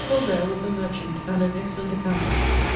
Colbert was a merchant and an excellent accomptant, i.